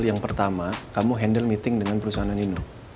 yang pertama kamu handle meeting dengan perusahaan anino